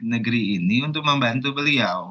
negeri ini untuk membantu beliau